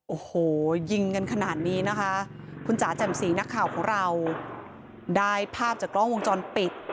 โอ้โหยิงกันขนาดนี้นะคะคุณจ๋าแจ่มสีนักข่าวของเราได้ภาพจากกล้องวงจรปิด